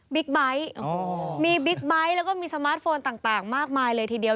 ไบท์มีบิ๊กไบท์แล้วก็มีสมาร์ทโฟนต่างมากมายเลยทีเดียว